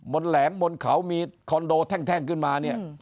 แหลมบนเขามีคอนโดแท่งขึ้นมาเนี่ย